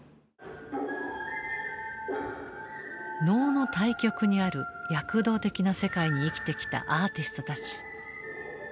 能の対極にある躍動的な世界に生きてきたアーティストたち。